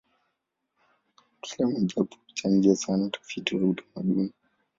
Kila mojawapo huchangia sana utafiti wa utamaduni.